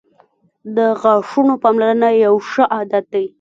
• د غاښونو پاملرنه یو ښه عادت دی.